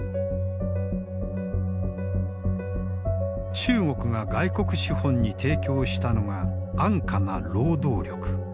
中国が外国資本に提供したのが安価な労働力。